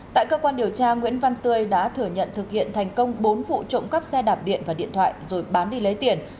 tại cơ quan điều tra nguyễn văn tươi đã thừa nhận thực hiện thành công bốn vụ trộm cắp xe đạp điện và điện thoại rồi bán đi lấy tiền